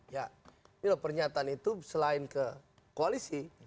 ya ini loh pernyataan itu selain ke koalisi